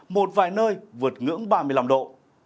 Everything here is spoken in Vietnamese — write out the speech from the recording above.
một vài nơi vượt ngưỡng ba mươi năm độ